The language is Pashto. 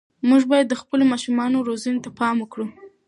موږ باید د خپلو ماشومانو روزنې ته پام وکړو.